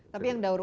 tapi yang daur ular